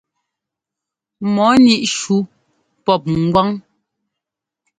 Mɔɔ níʼ shú pɔp ŋgwán.